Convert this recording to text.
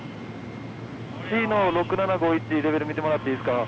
Ｃの６７５１レベル見てもらっていいですか？